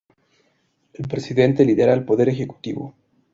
El presidente lidera el poder ejecutivo.